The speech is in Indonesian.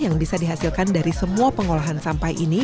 yang bisa dihasilkan dari semua pengolahan sampah ini